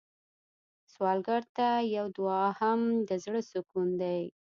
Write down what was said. سوالګر ته یو دعا هم د زړه سکون دی